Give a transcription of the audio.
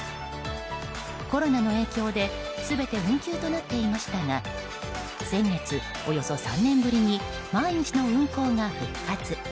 コロナの影響で全て運休となっていましたが先月、およそ３年ぶりに毎日の運航が復活。